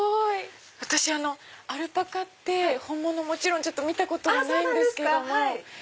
私アルパカって本物見たことがないんですけど。